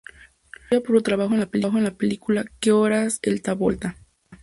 Conocida por su trabajo en la película "Que Horas Ela Volta?